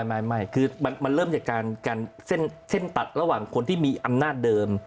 ไม่คือมันเริ่มจากการเส้นตัดระหว่างคนที่มีอำนาจเดิม